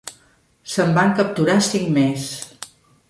Se'n van capturar cinc més.